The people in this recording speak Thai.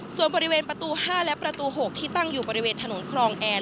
ส่วนบริเวณประตู๕และประตู๖ที่ตั้งอยู่บริเวณถนนครองแอน